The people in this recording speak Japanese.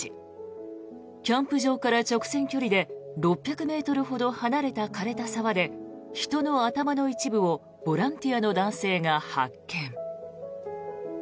キャンプ場から直線距離で６００ｍほど離れた枯れた沢で人の頭の一部をボランティアの男性が発見。